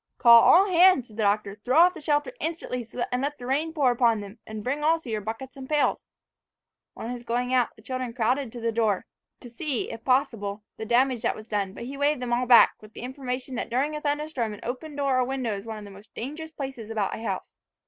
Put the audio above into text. "Call all hands!" said the Doctor. "Throw off the shelter instantly, to let the rain pour upon them; and bring also your buckets and pails." On his going out, the children crowded to the door, to see, if possible, the damage that was done; but he waved them all back, with the information that during a thunder storm an open door or window is one of the most dangerous places about a house.